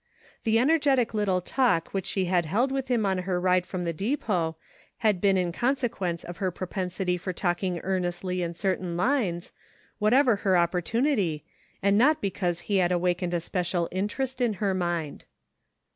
The energetic little talk which she had held with him on her ride from the 130 CIRCLES. depot had been in consequence of her propensity for talking earnestly in certain lines, whatever her opportunity, and not because he had awakened a special interest in her mind.